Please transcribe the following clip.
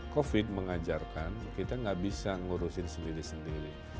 covid mengajarkan kita gak bisa ngurusin sendiri sendiri